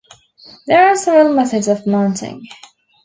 There are several methods of mounting.